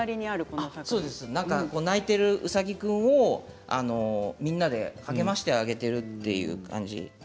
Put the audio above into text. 泣いているうさぎ君をみんなで励ましてあげているという感じ。